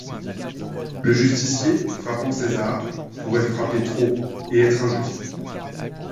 Le justicier, frappant César, pourrait frapper trop, et être injuste.